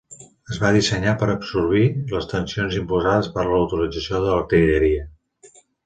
Es va dissenyar per absorbir les tensions imposades per la utilització de l'artilleria.